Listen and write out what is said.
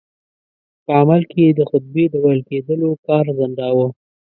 په عمل کې یې د خطبې د ویل کېدلو کار ځنډاوه.